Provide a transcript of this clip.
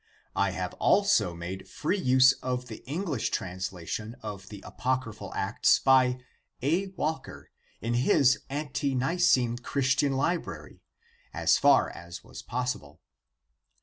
I have also made free use of the English translation of the Apocryphal Acts by A, Walker in the Ante Nicene Christian Library (Edinb. 1867), as far as was possible.